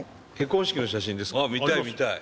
あ見たい見たい。